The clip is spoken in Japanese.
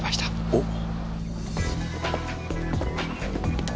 おっ。